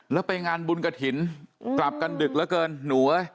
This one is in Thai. แล้วไปงานบุญกระถิ่นกลับกันดึกแล้วเกิน